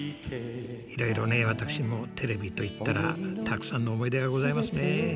いろいろね私もテレビといったらたくさんの思い出がございますね。